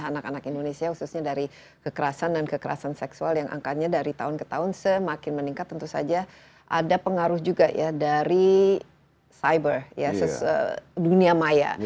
anak anak indonesia khususnya dari kekerasan dan kekerasan seksual yang angkanya dari tahun ke tahun semakin meningkat tentu saja ada pengaruh juga ya dari cyber dunia maya